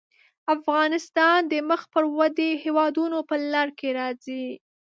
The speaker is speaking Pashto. افغانستان د مخ پر ودې هېوادونو په لړ کې راځي.